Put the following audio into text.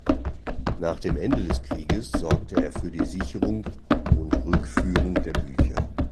Nach dem Ende des Krieges sorgte er für die Sicherung und Rückführung der Bücher.